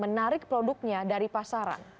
menarik produknya dari pasaran